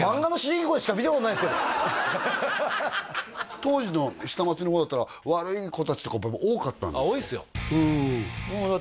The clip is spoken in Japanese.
当時の下町の方だったら悪い子達とかやっぱり多かったんですか？